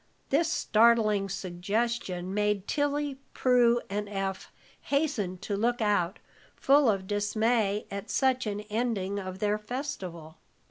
This startling suggestion made Tilly, Prue, and Eph hasten to look out, full of dismay at such an ending of their festival.